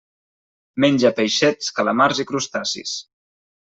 Menja peixets, calamars i crustacis.